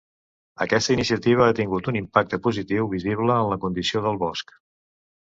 Aquesta iniciativa ha tingut un impacte positiu visible en la condició del bosc.